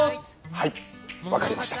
はい分かりました。